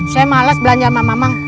saya malas belanja sama mamang